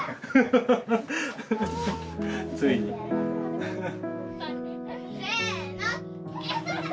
ついに。せの！